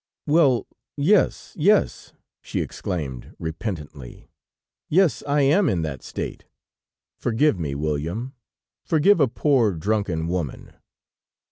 "Well, yes, yes!" she exclaimed, repentantly, "yes, I am in that state ... Forgive me, William forgive a poor drunken woman!"